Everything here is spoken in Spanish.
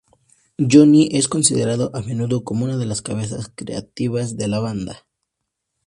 Jonny es considerado a menudo como una de las cabezas creativas de la banda.